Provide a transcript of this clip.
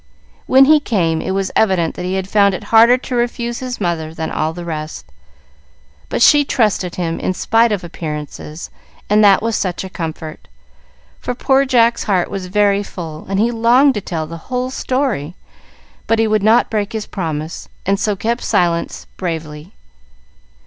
When he came, it was evident that he had found it harder to refuse his mother than all the rest. But she trusted him in spite of appearances, and that was such a comfort! For poor Jack's heart was very full, and he longed to tell the whole story, but he would not break his promise, and so kept silence bravely.